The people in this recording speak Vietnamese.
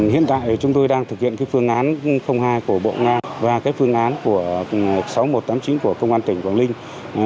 hiện tại chúng tôi đang thực hiện phương án hai của bộ và phương án của sáu nghìn một trăm tám mươi chín của công an tỉnh quảng ninh